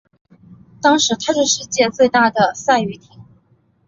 当时她是世界最大的赛渔艇。